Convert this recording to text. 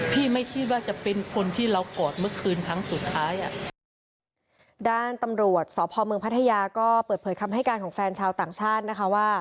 โปรดติดตามตอนต่อไป